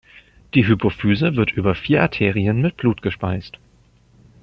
Die Hypophyse wird über vier Arterien mit Blut gespeist.